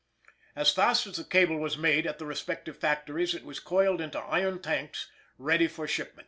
As fast as the cable was made at the respective factories, it was coiled into iron tanks ready for shipment.